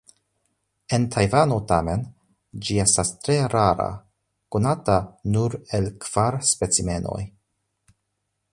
En Tajvano tamen ĝi estas tre rara, konata nur el kvar specimenoj.